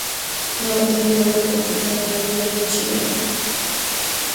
Nava trasladó la capital a la villa de Chihuahua.